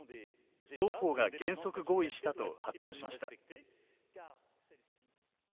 双方が原則合意したと発表しました。